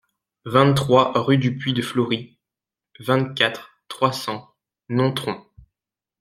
vingt-trois rue du Puy de Flory, vingt-quatre, trois cents, Nontron